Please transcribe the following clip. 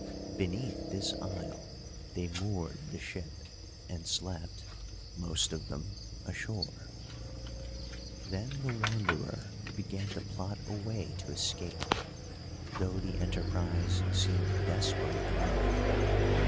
Beneath this isle they moored the ship, and slept, most of them, ashore. Then the Wanderer began to plot a way to escape, though the enterprise seemed desperate enough.